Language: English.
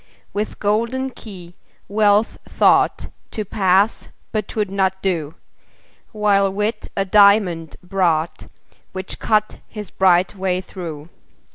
With golden key Wealth thought To pass but 'twould not do: While Wit a diamond brought, Which cut his bright way through.